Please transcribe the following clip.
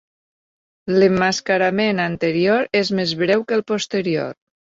L'emmascarament anterior és més breu que el posterior.